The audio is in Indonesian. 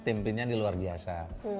tempinnya ini luar biasa